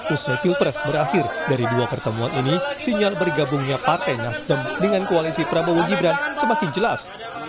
usai pilpres berakhir dari dua pertemuan ini sinyal bergabungnya partai nasdem dengan koalisi prabowo gibran semakin jelas